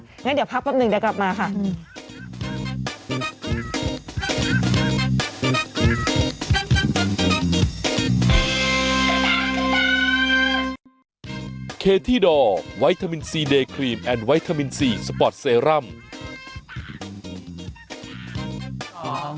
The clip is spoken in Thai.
อย่างนั้นเดี๋ยวพักประมาณหนึ่งเดี๋ยวกลับมาค่ะ